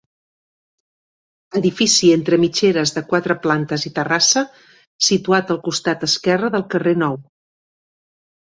Edifici entre mitgeres de quatre plantes i terrassa situat al costat esquerre del carrer Nou.